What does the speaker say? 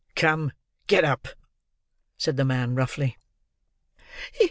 "Come, get up," said the man, roughly.